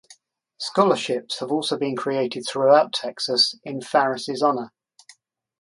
Scholarships have also been created throughout Texas in Farris’ honor.